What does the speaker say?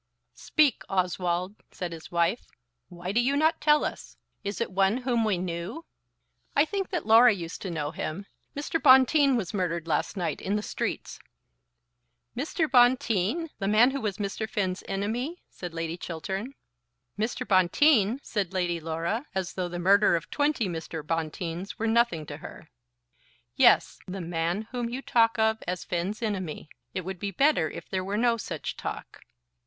"Speak, Oswald," said his wife. "Why do you not tell us? Is it one whom we knew?" "I think that Laura used to know him. Mr. Bonteen was murdered last night in the streets." "Mr. Bonteen! The man who was Mr. Finn's enemy," said Lady Chiltern. "Mr. Bonteen!" said Lady Laura, as though the murder of twenty Mr. Bonteens were nothing to her. "Yes; the man whom you talk of as Finn's enemy. It would be better if there were no such talk."